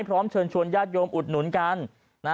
พร้อมเชิญชวนญาติโยมอุดหนุนกัน